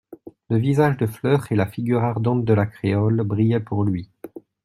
Le visage de fleur, et la figure ardente de la créole brillaient pour lui.